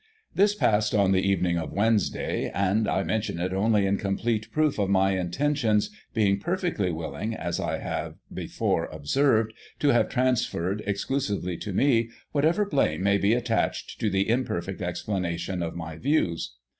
This passed on the evening of Wednesday ; and I mention it only in complete proof of my intentions, being perfectly willing, as I have before ob served, to have transferred, exclusively to me, whatever blame may be attached to the imperfect explanation of my views.